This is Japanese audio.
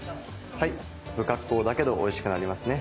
不格好だけどおいしくなりますね。